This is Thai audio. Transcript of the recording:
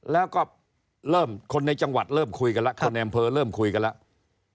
แล้วก็เริ่มคนในจังหวัดเริ่มคุยกันแล้วคนในอำเภอเริ่มคุยกันแล้ว